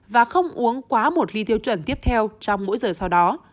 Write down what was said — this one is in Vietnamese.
và không uống quá một ghi tiêu chuẩn tiếp theo trong mỗi giờ sau đó